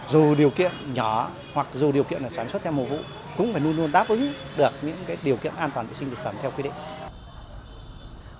dù điều kiện nhỏ hoặc dù điều kiện sản xuất theo mùa vụ cũng phải luôn luôn đáp ứng được những điều kiện an toàn vệ sinh thực phẩm theo quy định